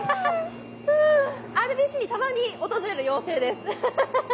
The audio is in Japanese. ＲＢＣにたまに訪れる妖精です。